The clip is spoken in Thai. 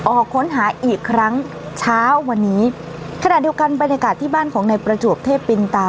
ออกค้นหาอีกครั้งเช้าวันนี้ขณะเดียวกันบรรยากาศที่บ้านของนายประจวบเทพปินตา